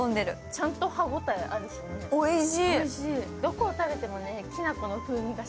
ちゃんと歯応えあるしね、おいしい。